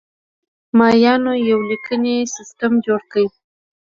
مایانو یو لیکنی سیستم جوړ کړ